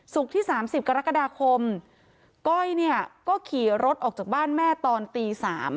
ที่๓๐กรกฎาคมก้อยเนี่ยก็ขี่รถออกจากบ้านแม่ตอนตี๓